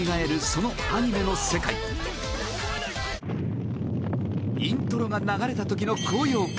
そのアニメの世界イントロが流れた時の高揚感